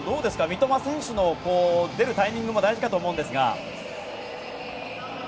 三笘選手の出るタイミングも大事かと思うんですが。